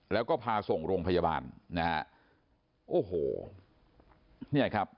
แล้วก็พาส่งโรงพยาบาลนะฮะโอ้โหเนี่ยครับ